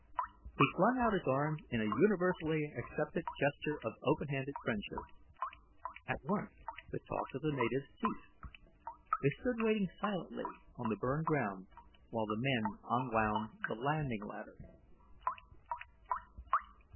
He flung out his arms in a universally accepted gesture of open handed friendship. At once the talk of the natives ceased. They stood waiting silently on the burned ground while the men unwound the landing ladder.